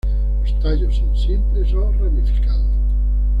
Los tallos son simples o ramificados.